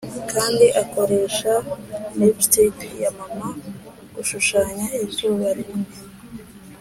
kandi akoresha lipstick ya mama gushushanya izuba rinini